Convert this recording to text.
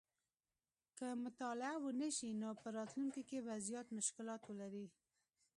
که مطالعه ونه شي نو په راتلونکي کې به زیات مشکلات ولري